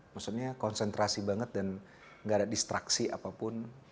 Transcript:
maksudnya konsentrasi banget dan gak ada distraksi apapun